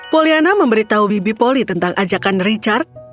poliana memberitahu bibi poli tentang ajakan richard